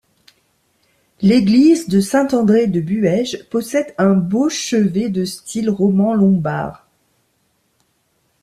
L'église de Saint-André-de-Buèges possède un beau chevet de style roman lombard.